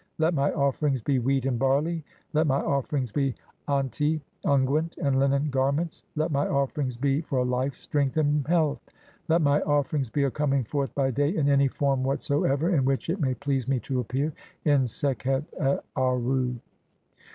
Let my offerings "be wheat and barley ; let my offerings (36) be and unguent "and linen garments ; let my offerings be for life, strength, and "health : let my offerings be a coming forth by day in any "form whatsoever (37) in which it may please me to appear "in Sekhet Aarru."